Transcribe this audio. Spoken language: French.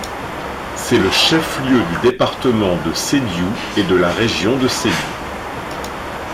C'est le chef-lieu du département de Sédhiou et de la région de Sédhiou.